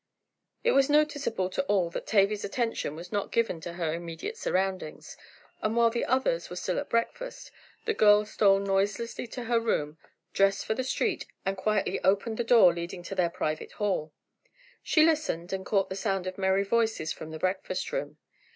It was noticeable to all that Tavia's attention was not given to her immediate surroundings, and while the others were still at breakfast, the girl stole noiselessly to her room, dressed for the street, and quietly opened the door leading into their private hall. She listened, and caught the sound of merry voices from the breakfast room.